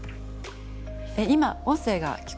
今音声が聞こえましたね。